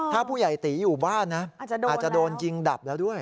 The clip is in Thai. ถ้าผู้ใหญ่ตีอยู่บ้านนะอาจจะโดนยิงดับแล้วด้วย